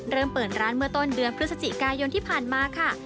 เริ่มเปิดร้านเมื่อต้นเดือนพฤศจิกายนที่ผ่านมาค่ะ